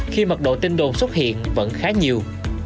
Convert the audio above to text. khi mật độ tin đồn xuất hiện vẫn khá nhiều